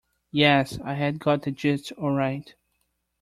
Yes, I had got the gist all right.